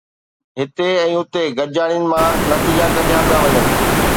هتي ۽ اتي گڏجاڻين مان نتيجا ڪڍيا پيا وڃن